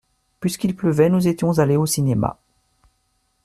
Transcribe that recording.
Puisqu’il pleuvait nous étions allés au cinéma.